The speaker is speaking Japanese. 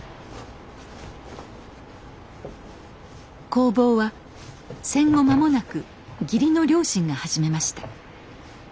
工房は戦後まもなく義理の両親が始めました。